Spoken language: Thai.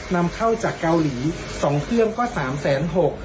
นำเข้าจากเกาหลีสองเครื่องก็สามแสนหก